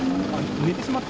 寝てしまった？